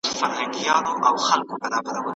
¬ بد مه راسره کوه، ښه دي نه غواړم.